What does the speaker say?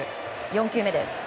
４球目です。